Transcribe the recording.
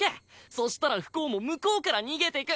そしたら不幸も向こうから逃げてく！